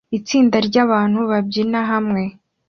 itsinda ryabantu babyina hamwe